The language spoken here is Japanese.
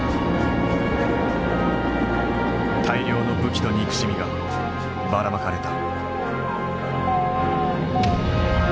大量の武器と憎しみがばらまかれた。